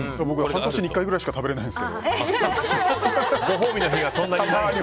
半年に１回ぐらいしか食べられないんですけど。